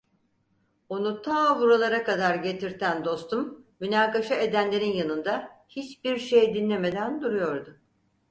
Onu ta buralara kadar getirten dostum, münakaşa edenlerin yanında, hiçbir şey dinlemeden duruyordu.